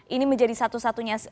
ini menjadi satu satunya